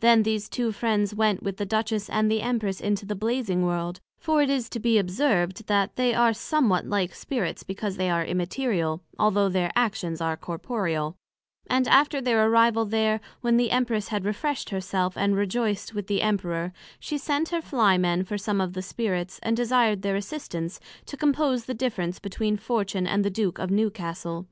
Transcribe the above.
Then these two Friends went with the Duchess and the Empress into the Blazing World; (for it is to be observed, that they are somewhat like Spirits, because they are Immaterial, although their actions are corporeal:) and after their arrival there, when the Empress had refreshed her self, and rejoiced with the Emperor, she sent her Fly men for some of the Spirits, and desired their assistance, to compose the difference between Fortune, and the Duke of Newcastle.